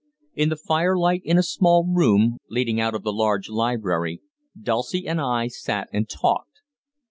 In the firelight in a small room leading out of the large library, Dulcie and I sat and talked.